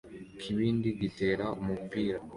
Ikibindi gitera umupira